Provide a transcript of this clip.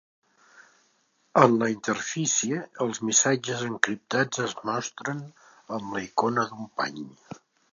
En la interfície, els missatges encriptats es mostren amb la icona d'un pany.